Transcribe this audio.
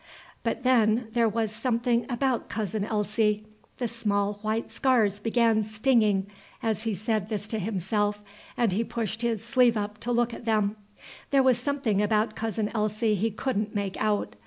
But then there was something about Cousin Elsie, (the small, white scars began stinging, as he said this to himself, and he pushed his sleeve up to look at them) there was something about Cousin Elsie he couldn't make out.